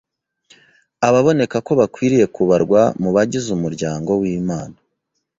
Ababoneka ko bakwiriye kubarwa mu bagize umuryango w’Imana